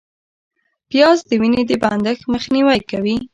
پیاز د وینې د بندښت مخنیوی کوي